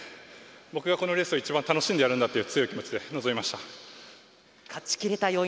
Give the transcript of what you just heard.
僕がこのレースを一番楽しんでやるんだという勝ちきれた要因